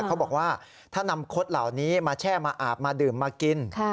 เขาบอกว่าถ้านำคดเหล่านี้มาแช่มาอาบมาดื่มมากิน